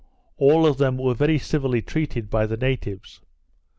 All of them were very civilly treated by the natives.